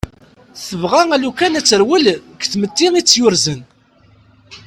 Tebɣa alukan ad terwel deg tmetti itt-yurzen.